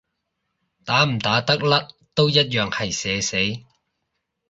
打唔打得甩都一樣係社死